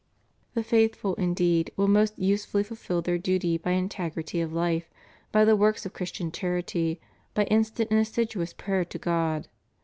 The faithful indeed will most usefully fulfil their duty by integrity of life, by the works of Christian charity, by instant and assiduous prayer to God.